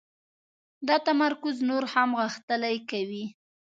دا تمرکز نور هم غښتلی کوي.